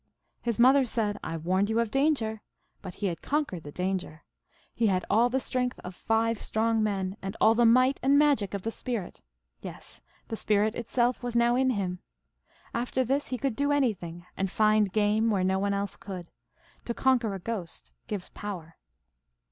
His mother said, I warned you of danger : but he had conquered the danger. He had all the strength of five strong men, and all the might and magic of the Spirit ; yes, the Spirit itself was now in him. After this he could do anything, and find game where no one else could. To conquer a ghost gives power."